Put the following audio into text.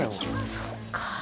そっか。